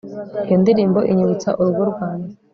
Iyo ndirimbo inyibutsa urugo rwanjye